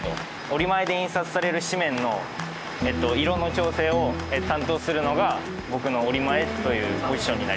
折前で印刷される紙面の面と色の調整を担当するのが僕の折前というポジションになります。